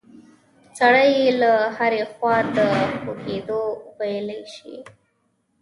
سړی یې له هرې خوا د خوږېدو ویلی شي.